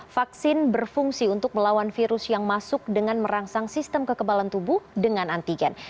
vaksin berfungsi untuk melawan virus yang masuk dengan merangsang sistem kekebalan tubuh dengan antigen